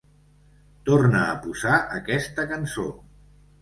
Torna a posar aquesta cançó!